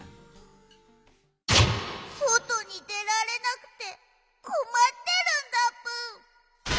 そとにでられなくてこまってるんだぷん。